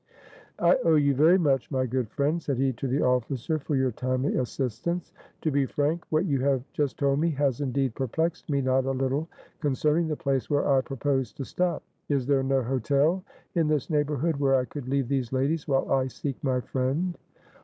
"I owe you very much, my good friend," said he to the officer, "for your timely assistance. To be frank, what you have just told me has indeed perplexed me not a little concerning the place where I proposed to stop. Is there no hotel in this neighborhood, where I could leave these ladies while I seek my friend?"